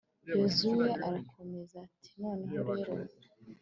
yozuwe arakomeza ati noneho rero